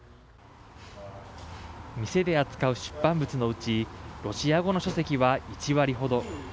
店で扱う出版物のうちロシア語の書籍は１割ほど。